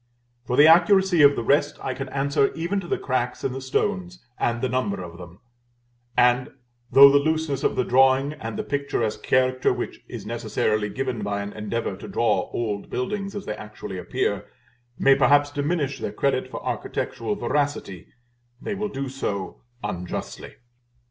For the accuracy of the rest I can answer, even to the cracks in the stones, and the number of them; and though the looseness of the drawing, and the picturesque character which is necessarily given by an endeavor to draw old buildings as they actually appear, may perhaps diminish their credit for architectural veracity, they will do so unjustly.